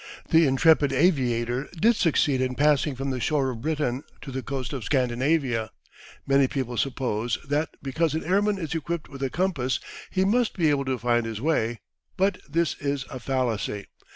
The intrepid aviator did succeed in passing from the shore of Britain to the coast of Scandinavia. Many people suppose that because an airman is equipped with a compass he must be able to find his way, but this is a fallacy.